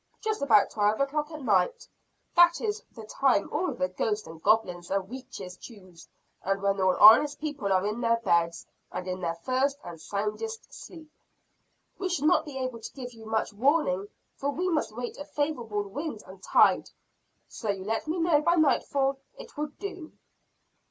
"Just about twelve o'clock at night. That is the time all the ghosts and goblins and weetches choose; and when all honest people are in their beds, and in their first and soundest sleep." "We shall not be able to give you much warning, for we must wait a favorable wind and tide." "So you let me know by nightfall, it will do."